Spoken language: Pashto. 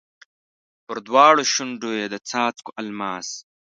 پر دواړو شونډو یې د څاڅکو الماس